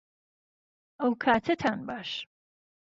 ئەوکاتەتان باش